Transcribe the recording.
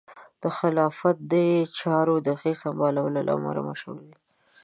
د خلافت د چارو د ښې سمبالتیا له امله مشهور دی.